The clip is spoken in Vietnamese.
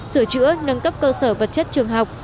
sửa chữa nâng cấp cơ sở vật chất trường học